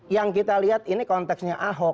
yang kita lihat ini konteksnya ahok